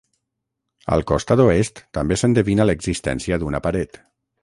Al costat oest també s'endevina l'existència d'una paret.